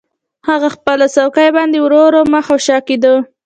هغه په خپله څوکۍ باندې ورو ورو مخ او شا کیده